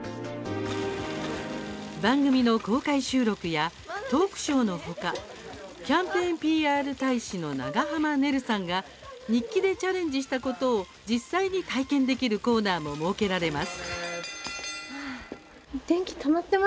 番組の公開収録やトークショーのほかキャンペーンＰＲ大使の長濱ねるさんが日記でチャレンジしたことを実際に体験できるコーナーも設けられます。